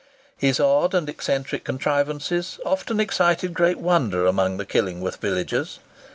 His odd and eccentric contrivances often excited great wonder amongst the Killingworth villagers.